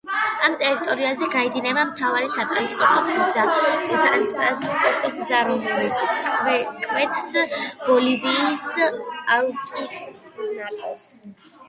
ამ ტერიტორიაზე გაედინება მთავარი სატრანსპორტო გზა, რომელიც კვეთს ბოლივიის ალტიპლანოს.